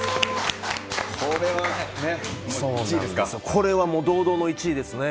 これはもう堂々の１位ですね。